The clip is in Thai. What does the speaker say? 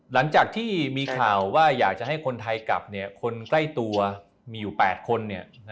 หลังจากที่มีข่าวว่าอยากจะให้คนไทยกลับคนใกล้ตัวมีอยู่๘คน